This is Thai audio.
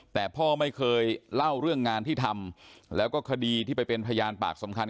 แต่พ่อไม่เคยเล่าเรื่องงานที่ทำแล้วก็คดีที่ไปเป็นพยานปากสำคัญ